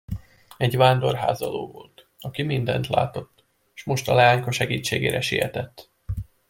Egy vándor házaló volt, aki mindent látott, s most a leányka segítségére sietett.